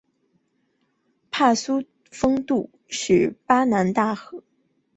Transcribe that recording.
帕苏丰杜是巴西南大河州的一个市镇。